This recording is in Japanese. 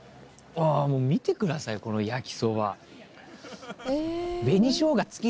見てくださいこの焼きそば。